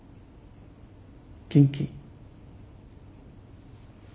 元気？